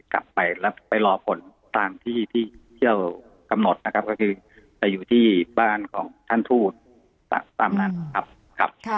กลับไปแล้วไปรอผลตามที่ที่เที่ยวกำหนดนะครับก็คือจะอยู่ที่บ้านของท่านทูตตามนั้นครับ